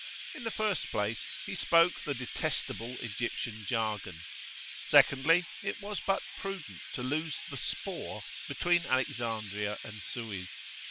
In the first place, he spoke the detestable Egyptian jargon. Secondly, it was but prudent to lose the "spoor" between Alexandria and Suez.